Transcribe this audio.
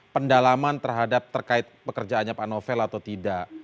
pendalaman terhadap terkait pekerjaannya pak novel atau tidak